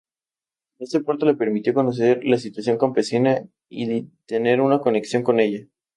Este puesto le permitió conocer la situación campesina y tener una conexión con ella.